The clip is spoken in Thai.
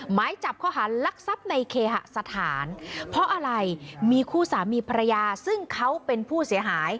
หมายจับข้อหารลักทรัพย์ในเคหสถานเพราะอะไรมีคู่สามีภรรยาซึ่งเขาเป็นผู้เสียหาย